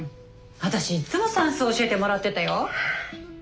私いっつも算数教えてもらってたよ。